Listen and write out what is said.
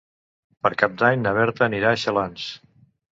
Per Cap d'Any na Berta anirà a Xalans.